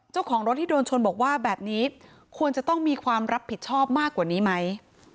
เจ้าของรถที่โดนชนบอกว่าแบบนี้ควรจะต้องมีความรับผิดชอบมากกว่านี้ไหม